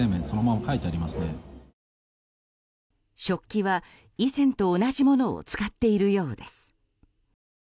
食器は以前と同じものを使っているようです。